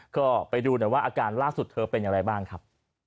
ก็ไปดูหน่อยว่าอาการล่าสุดเธอเป็นอย่างไรบ้างครับ